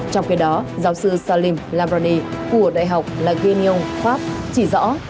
trong khi đó giáo sư salim lambrani của đại học là gagnon pháp chỉ rõ